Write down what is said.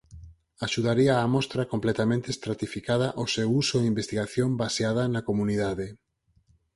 Axudaría á mostra completamente estratificada o seu uso en Investigación baseada na comunidade.